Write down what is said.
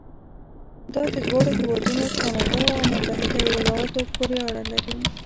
دا د دواړو هېوادونو کانادا او متحده ایالاتو پورې اړه لري.